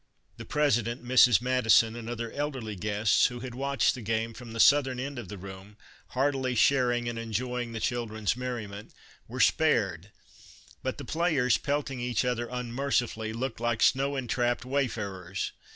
The President, Mrs. Madison, and other elderly guests, who had watched the game from the southern end of the room, heartily sharing and enjoying the children's merriment, were spared, but the players, pelting each other unmercifully, looked like snow entrapped wayfarers.